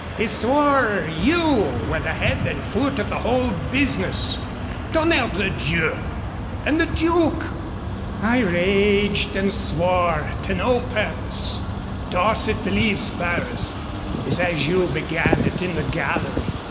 he swore you were the head and foot of the whole business " "Tonnerre de Dieu! And the Duke?" "I raged and swore to no purpose. Dorset believes Ferrers. He says you began it in the gallery."